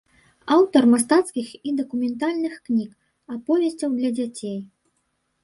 Аўтар мастацкіх і дакументальных кніг, аповесцяў для дзяцей.